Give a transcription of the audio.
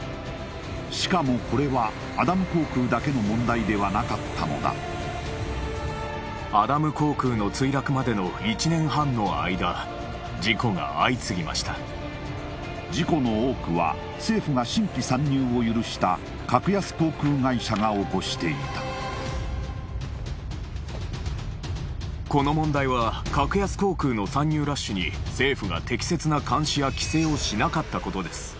しかもこれはアダム航空だけの問題ではなかったのだ事故の多くは政府が新規参入を許した格安航空会社が起こしていたこの問題は格安航空の参入ラッシュに政府が適切な監視や規制をしなかったことです